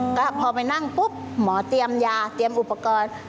ก็พอไปนั่งปุ๊บหมอเตรียมยาเตรียมอุปกรณ์